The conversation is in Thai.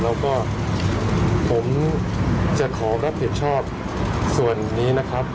แล้วก็ผมจะขอรับผิดชอบส่วนนี้นะครับ